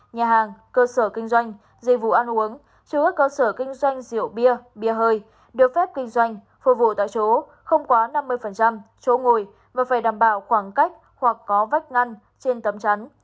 nhà hàng cơ sở kinh doanh dịch vụ ăn uống chứa các cơ sở kinh doanh rượu bia bia hơi được phép kinh doanh phục vụ tại chỗ không quá năm mươi chỗ ngồi và phải đảm bảo khoảng cách hoặc có vách ngăn trên tấm chắn